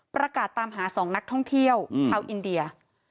ประกาศตามหา๒นักท่องเที่ยวชาวอินเดีย